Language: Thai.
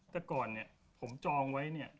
แต่ก่อนผมจองไว้เนี่ย